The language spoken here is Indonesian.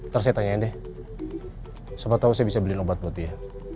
terus saya tanyain dia